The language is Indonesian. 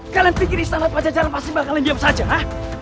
kalian pikir istana pajajara pasti bakalan diam saja ha